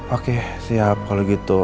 oke siap kalau gitu